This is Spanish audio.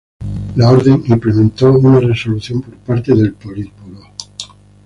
La orden implementó una resolución por parte del Politburó.